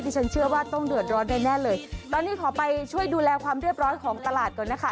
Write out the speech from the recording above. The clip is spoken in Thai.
ฉันเชื่อว่าต้องเดือดร้อนแน่เลยตอนนี้ขอไปช่วยดูแลความเรียบร้อยของตลาดก่อนนะคะ